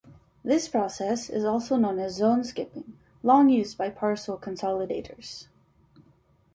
This process is also known as zone skipping, long used by Parcel Consolidators.